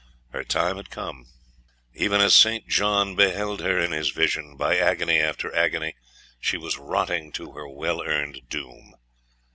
Her time had come. Even as Saint John beheld her in his vision, by agony after agony, she was rotting to her well earned doom.